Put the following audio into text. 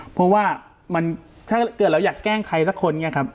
เพราะว่ามันถ้าเกิดเราอยากแกล้งใครสักคนเนี่ยครับ